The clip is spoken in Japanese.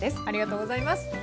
ありがとうございます。